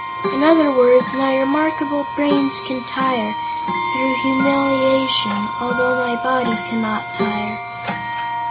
In other words, my remarkable brains can tire, through humiliation, although my body cannot tire."